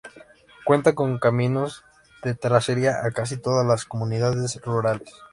Cuenta con caminos de terracería a casi todas las comunidades rurales.